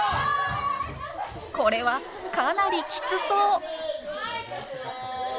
これはかなりきつそう！